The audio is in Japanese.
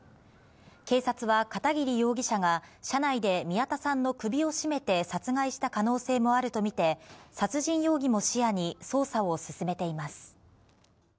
警察は片桐容疑者が、車内で宮田さんの首を絞めて殺害した可能性もあると見て、殺人容疑も視野に捜査を進めています。